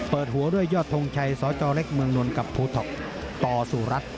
เปิดหัวด้วยยอดทงชัยสจเล็กเมืองนนกับภูท็อปต่อสุรัตน์